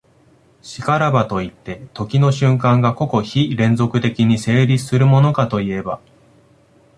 然らばといって、時の瞬間が個々非連続的に成立するものかといえば、